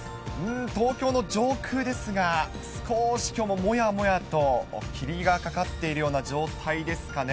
東京の上空ですが、少しきょうももやもやと霧がかかっているような状態ですかね。